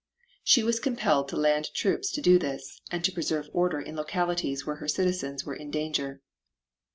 She was compelled to land troops to do this and to preserve order in localities where her citizens were in danger.